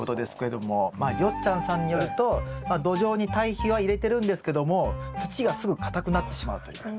よっちゃんさんによると土壌に堆肥は入れてるんですけども土がすぐかたくなってしまうという。